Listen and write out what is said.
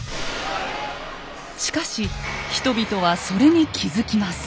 しかし人々はそれに気づきます。